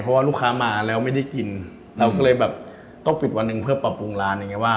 เพราะว่าลูกค้ามาแล้วไม่ได้กินเราก็เลยต้องปิดวันหนึ่งเพื่อปรับปรุงร้าน